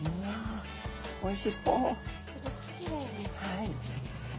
はい！